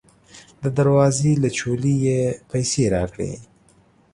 د دروازې له چولې یې پیسې راکړې.